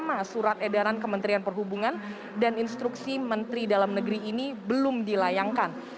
nama surat edaran kementerian perhubungan dan instruksi menteri dalam negeri ini belum dilayangkan